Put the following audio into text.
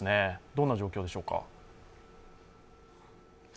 どんな状況でしょうか？